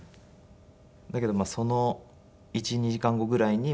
だけどその１２時間後ぐらいに帰ってきて。